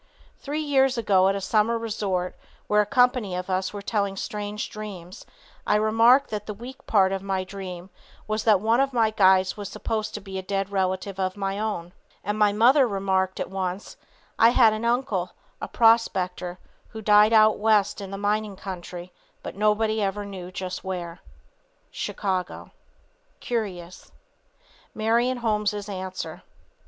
Three years ago at a summer resort where a company of us were telling strange dreams, I remarked that the weak part of my dream was that one of my guides was supposed to be a dead relative of my own, and my mother remarked at once, "I had an uncle, a prospector, who died out West in the mining country, but nobody ever knew just where." Chicago. CURIOUS. MARION HOLMES' ANSWER.